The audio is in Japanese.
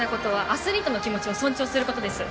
アスリートの気持ちを尊重することです